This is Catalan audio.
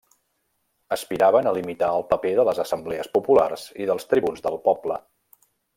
Aspiraven a limitar el paper de les assemblees populars i dels tribuns del poble.